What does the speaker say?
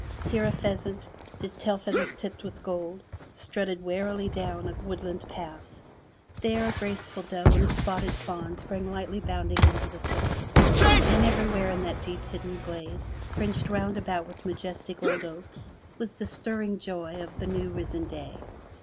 Here a pheasant, his tail feathers tipped with gold, strutted warily down a woodland path; there, a graceful doe and a spotted fawn sprang lightly bounding into the thicket, and everywhere in that deep hidden glade, fringed round about with majestic old oaks, was the stirring joy of the new risen day.